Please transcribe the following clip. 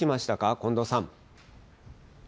近藤さん。